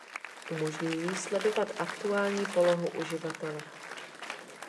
Umožňují sledovat aktuální polohu uživatele.